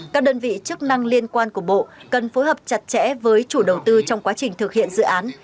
các đơn vị chức năng liên quan của bộ cần phối hợp chặt chẽ với chủ đầu tư trong quá trình thực hiện dự án